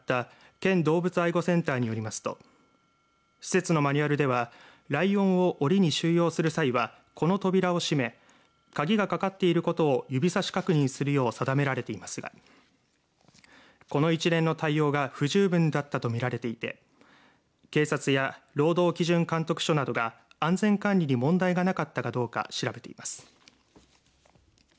県動物愛護センターによりますと施設のマニュアルではライオンをおりに収容する際はこの扉を閉め鍵がかかっていることを指さし確認するよう定められていますがこの一連の対応が不十分だったと見られていて警察や労働基準監督署などが安全管理に問題がなかったどうか調べています。